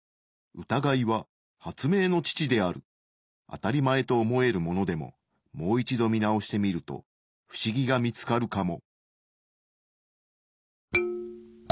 あたりまえと思えるものでももう一度見直してみるとフシギが見つかるかも。